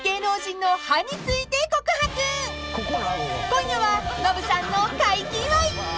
［今夜はノブさんの快気祝い］